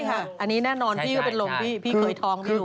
ใช่ค่ะอันนี้แน่นอนพี่ก็เป็นลงพี่เคยท้องนิ้ว